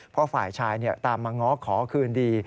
เพราะฝ่ายชายตามมาง้อขอคืนดี